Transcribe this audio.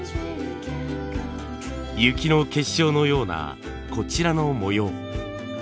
雪の結晶のようなこちらの模様。